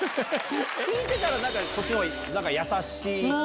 聴いてたらこっちの方が優しい。